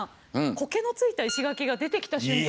こけのついた石垣が出てきた瞬間